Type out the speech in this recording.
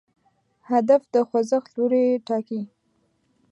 هدف د خوځښت لوری ټاکي.